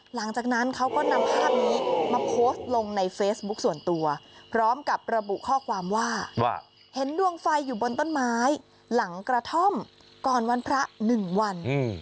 หลังจากนั้นเขาก็นำภาพนี้มาโพสต์ลงในเฟซบุ๊คส่วนตัวพร้อมกับระบุข้อความว่าว่าเห็นดวงไฟอยู่บนต้นไม้หลังกระท่อมก่อนวันพระ๑วัน